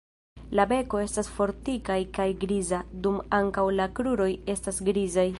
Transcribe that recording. La beko estas fortikaj kaj griza, dum ankaŭ la kruroj estas grizaj.